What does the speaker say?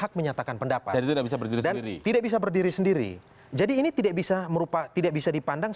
ternyata para nelayan menguptikan ada